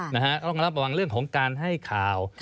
ต้องรับระวังเรื่องของการให้ข่าว